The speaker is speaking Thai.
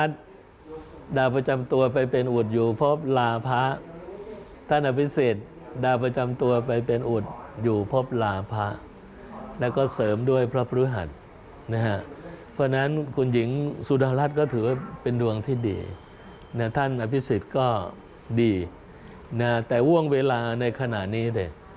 ท่านอภิสิทธิ์ก็ดีแต่ว่างเวลาในขณะนี้